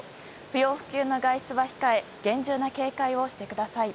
不要不急の外出は控え厳重な警戒をしてください。